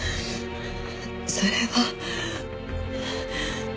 それは。